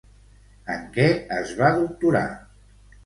En què es va doctorar?